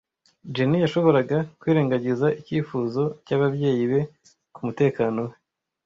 Jenny ntashobora kwirengagiza icyifuzo cy'ababyeyi be kumutekano we.